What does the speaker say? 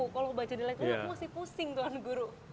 kalau baca di elektronik aku masih pusing tuan guru